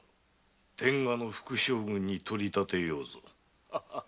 天下の副将軍に取り立てようぞ。